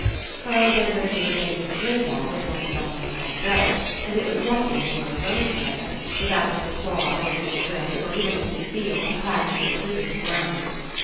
Oh there would have been things to blink at if one had let one's self go; and it was lucky they were alone together, without Sir Claude or Mrs. Wix or even Mrs. Beale to catch an imprudent glance.